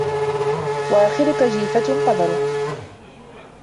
وَآخِرُك جِيفَةٌ قَذِرَةٌ